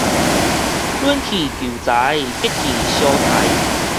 忍氣求財，激氣相刣